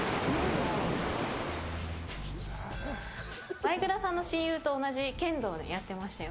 マイク田さんの親友と同じで剣道やってましたよ。